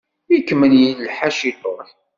Ikemmel yelḥa ciṭuḥ.